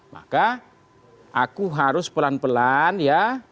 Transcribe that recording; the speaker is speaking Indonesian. maka aku harus pelan pelan ya